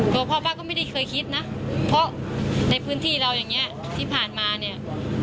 ตัวพ่อป้าก็ไม่ได้เคยคิดนะเพราะในพื้นที่เราอย่างนี้ที่ผ่านมาเนี่ย